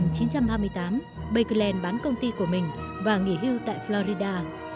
năm một nghìn chín trăm hai mươi tám bakelite bán công ty của mình và nghỉ hưu tại florida